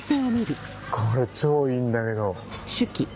これ超いいんだけど。